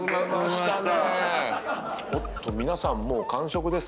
おっと皆さんもう完食ですか？